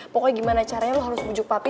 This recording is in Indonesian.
pokoknya gimana caranya lo harus bujuk papi